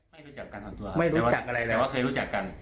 ไม่รู้จักกันของตัวแต่ว่าเคยรู้จักกัน